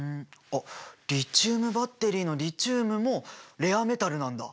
あっリチウムバッテリーのリチウムもレアメタルなんだ。